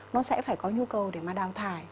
nó sẽ phải có nhu cầu để mà đào thải